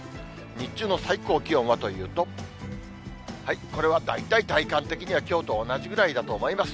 日中の最高気温はというと、これは大体、体感的にはきょうと同じぐらいだと思います。